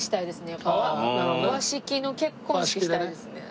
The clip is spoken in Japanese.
やっぱ和式の結婚式したいですね。